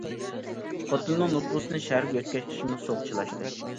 خوتۇنىنىڭ نوپۇسىنى شەھەرگە يۆتكەش ئىشىمۇ سۇغا چىلاشتى.